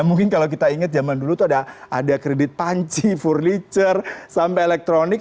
mungkin kalau kita ingat zaman dulu tuh ada kredit panci furniture sampai elektronik